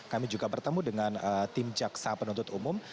kami juga bertemu dengan tim jaksa penuntut umum